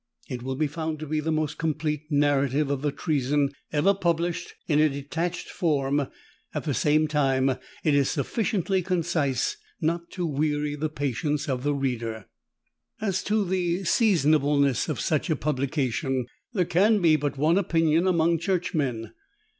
It will be found to be the most complete narrative of the Treason ever published in a detached form: at the same time it is sufficiently concise not to weary the patience of the reader. As to the seasonableness of such a publication, there can be but one opinion among Churchmen.